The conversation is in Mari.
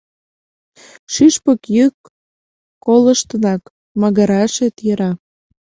Шӱшпык йӱк колыштынак магырашет йӧра.